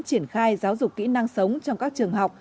triển khai giáo dục kỹ năng sống trong các trường học